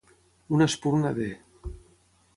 Una espurna de.